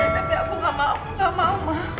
tapi aku gak mau gak mau